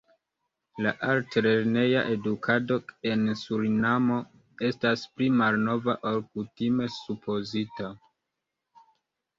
La altlerneja edukado en Surinamo estas pli malnova ol kutime supozita.